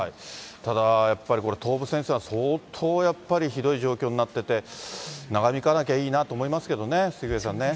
ただやっぱりこれ、東部戦線はこれ、相当ひどい状況になってて、長引かなきゃいいなと思いますね、杉上さんね。